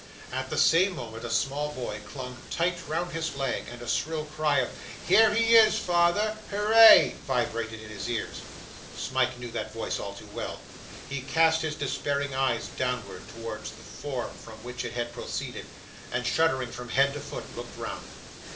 At the same moment, a small boy clung tight round his leg, and a shrill cry of 'Here he is, father! Hooray!' vibrated in his ears. Smike knew that voice too well. He cast his despairing eyes downward towards the form from which it had proceeded, and, shuddering from head to foot, looked round.